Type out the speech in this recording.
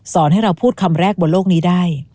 ให้เราพูดคำแรกบนโลกนี้ได้